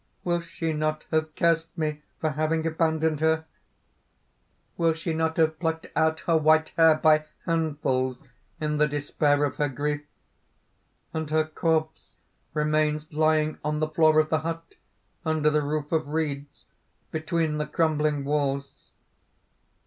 "Will she not have cursed me for having abandoned her? will she not have plucked out her white hair by handfuls in the despair of her grief? And her corpse remains lying on the floor of the hut, under the roof of reeds, between the crumbling walls.